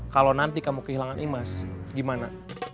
kalau nanti kamu kehilangan imas gimana